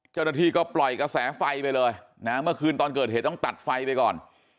เจ้าหน้าที่ก็ปล่อยกระแสไฟไปเลยนะเมื่อคืนตอนเกิดเหตุต้องตัดไฟไปก่อน